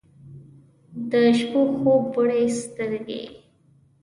د شپو خوب وړي سترګې